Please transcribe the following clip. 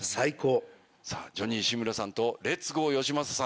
ジョニー志村さんとレッツゴーよしまささん。